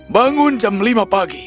bangun jam lima pagi